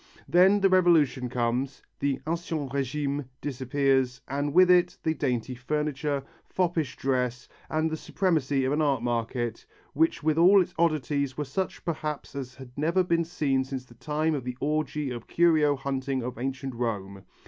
then, the Revolution comes, the ancien régime disappears and with it the dainty furniture, foppish dress, and the supremacy of an art market which with all its oddities were such perhaps as had never been seen since the time of the orgy of curio hunting of Ancient Rome.